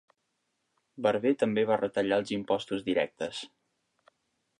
Barber també va retallar els impostos directes.